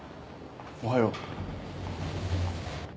おはよう。